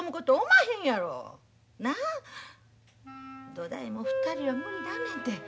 どだい２人は無理だんねんて。